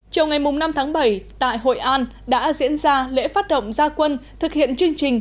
trong ngày năm tháng bảy tại hội an đã diễn ra lễ phát động gia quân thực hiện chương trình